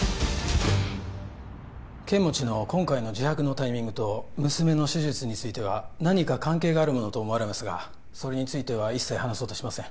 剣持の今回の自白のタイミングと娘の手術については何か関係があるものと思われますがそれについては一切話そうとしません